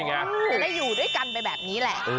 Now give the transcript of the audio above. จะได้อยู่ด้วยกันไปแบบนี้แหละ